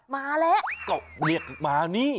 มาแล้วก็เรียกมานี่